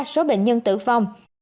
ba số bệnh nhân tử phong